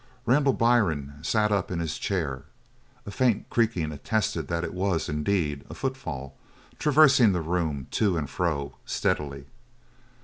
Randall Byrne sat up in his chair. A faint creaking attested that it was, indeed, a footfall traversing the room to and fro, steadily.